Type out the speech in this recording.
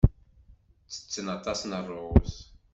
Ttetten aṭas n ṛṛuz.